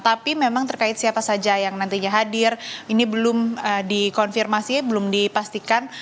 tapi memang terkait siapa saja yang nantinya hadir ini belum dikonfirmasi belum dipastikan